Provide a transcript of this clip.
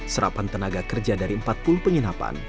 serapan tenaga kerja dari empat puluh penginapan